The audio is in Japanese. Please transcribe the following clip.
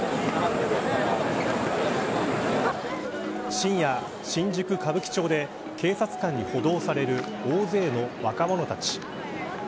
深夜、新宿・歌舞伎町で警察官に補導される大勢の若者たち。